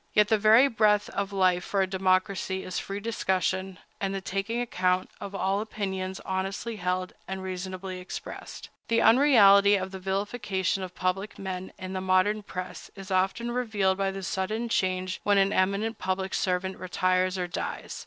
Yet the very breath of life for a democracy is free discussion, and the taking account, of all opinions honestly held and reasonably expressed. The unreality of the vilification of public men in the modern press is often revealed by the sudden change when an eminent public servant retires or dies.